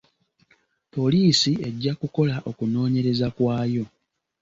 Poliisi ejja kukola okunoonyereza kwayo.